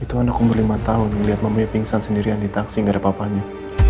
itu anak umur lima tahun ngeliat mamanya pingsan sendirian di taksi gak ada apa apanya